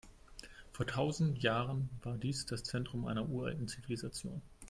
Vor tausend Jahren war dies das Zentrum einer uralten Zivilisation.